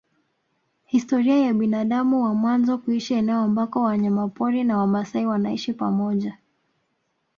Historia ya binadamu wa mwanzo kuishi eneo ambako wanyamapori na wamaasai wanaishi pamoja